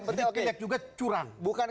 pilek juga curang